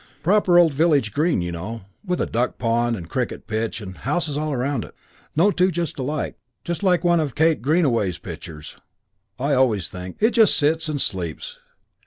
Proper old village green, you know, with a duck pond and cricket pitch and houses all round it. No two alike. Just like one of Kate Greenaway's pictures, I always think. It just sits and sleeps.